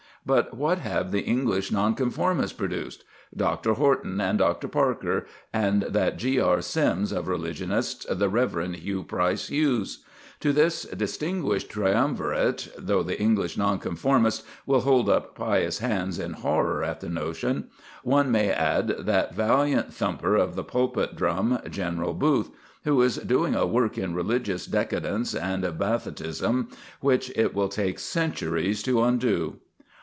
But what have the English Nonconformists produced? Dr. Horton and Dr. Parker, and that G.R. Sims of religionists, the Rev. Hugh Price Hughes. To this distinguished triumvirate though the English Nonconformists will hold up pious hands of horror at the notion one may add that valiant thumper of the pulpit drum, General Booth, who is doing a work in religious decadence and bathoticism which it will take centuries to undo.